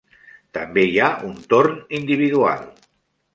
També hi ha un torn individual.